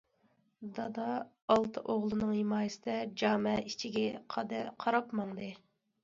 دادا ئالتە ئوغلىنىڭ ھىمايىسىدە جامە ئىچىگە قاراپ ماڭدى.